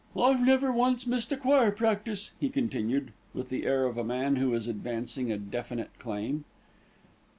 "I've never once missed a choir practice," he continued, with the air of a man who is advancing a definite claim.